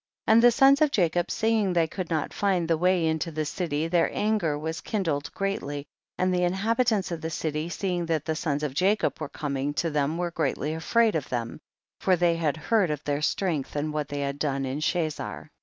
22. And the sons of Jacob seeing they could not find the way into the city, their anger was kindled greatly, and the inhabitants of the city see ing that the sons of Jacob were com ing to them were greatly afraid of them, for they had heard of their strength and what they had done to Chazar.